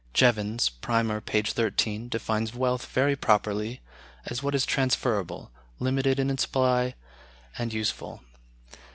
Jevons ("Primer," p. 13) defines wealth very properly as what is transferable, limited in supply, and useful.